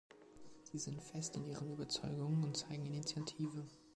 Sie sind fest in ihren Überzeugungen und zeigen Initiative.